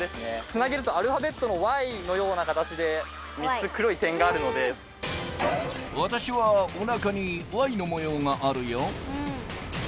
つなげるとアルファベットのＹのような形で３つ黒い点があるので私はお腹にＹの模様があるよ